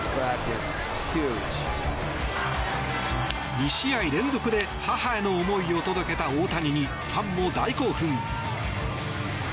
２試合連続で母への思いを届けた大谷にファンも大興奮。